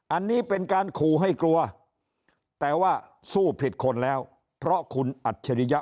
อันนี้เป็นการขู่ให้กลัวแต่ว่าสู้ผิดคนแล้วเพราะคุณอัจฉริยะ